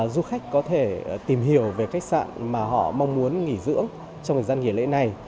du khách có thể tìm hiểu về khách sạn mà họ mong muốn nghỉ dưỡng trong thời gian nghỉ lễ này